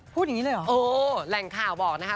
พูดอย่างนี้เลยเหรอโอ้แหล่งข่าวบอกนะคะ